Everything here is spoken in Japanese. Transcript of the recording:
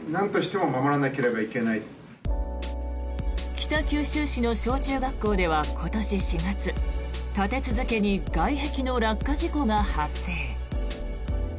北九州市の小中学校では今年４月立て続けに外壁の落下事故が発生。